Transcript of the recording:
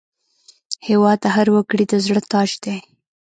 هېواد د هر وګړي د زړه تاج دی.